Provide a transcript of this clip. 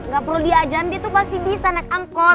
gak perlu diajarin dia tuh pasti bisa naik angkot